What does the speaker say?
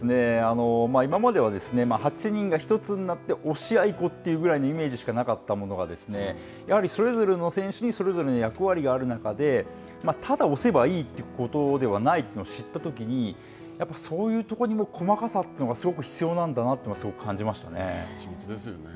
今までは８人が１つになって押し合いっこというぐらいのイメージしかなかったものが、やはりそれぞれの選手にそれぞれの役割がある中で、ただ押せばいいということではないというのを知ったときに、やっぱりそういうところにも細かさというのがすごく必要な緻密ですよね。